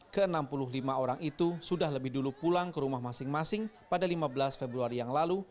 ke enam puluh lima orang itu sudah lebih dulu pulang ke rumah masing masing pada lima belas februari yang lalu